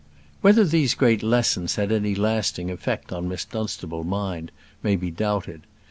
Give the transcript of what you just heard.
Whether these great lessons had any lasting effect on Miss Dunstable's mind may be doubted.